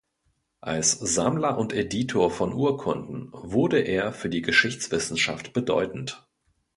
Als Sammler und Editor von Urkunden wurde er für die Geschichtswissenschaft bedeutend.